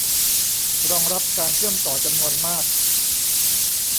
รองรับการเชื่อมต่อจำนวนมาก